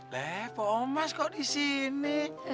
le pomas kok di sini